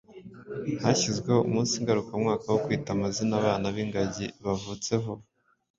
hashyizweho umunsi ngaruka mwaka wo kwita amazina abana b’ingagi bavutse vuba.